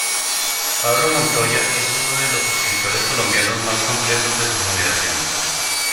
Pablo Montoya es uno de los escritores colombianos más completos de su generación.